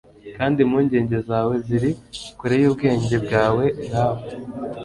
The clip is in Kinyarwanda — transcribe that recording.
kandi impungenge zawe ziri kure yubwenge bwawe nkawe